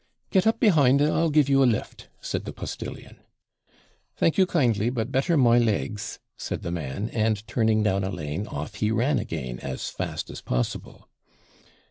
'Get up behind, and I'll give you a lift,' said the postillion. 'Thank you kindly but better my legs!' said the man; and turning down a lane, off he ran again as fast as possible.